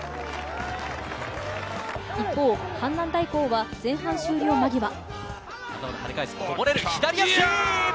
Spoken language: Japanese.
一方、阪南大高は前半終了間際。